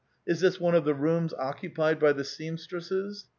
Is this one of the rooms occupied by the seamstresses?